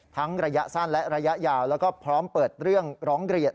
ระยะสั้นและระยะยาวแล้วก็พร้อมเปิดเรื่องร้องเรียน